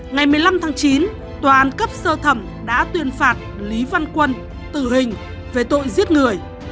ngày một mươi năm tháng chín tòa án cấp sơ thẩm đã tuyên phạt lý văn quân tử hình về tội giết người